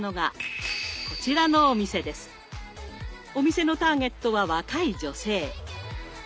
お店のターゲットは若い女性。